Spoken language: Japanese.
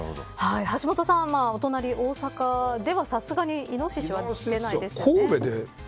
橋下さん、お隣、大阪ではさすがにイノシシは出ないですよね。